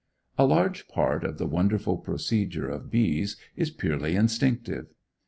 A large part of the wonderful procedure of bees is purely instinctive.